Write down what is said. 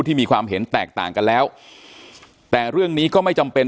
ที่มีความเห็นแตกต่างกันแล้วแต่เรื่องนี้ก็ไม่จำเป็น